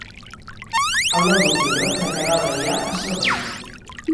El nou d'octubre na Queralt anirà a Sagunt.